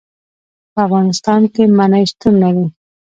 په افغانستان کې منی شتون لري.